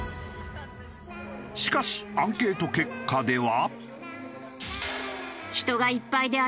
しかしアンケート結果では。